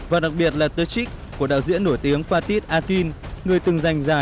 và đặc biệt là the chick của đạo diễn nổi tiếng